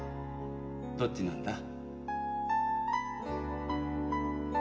どっちなんだ？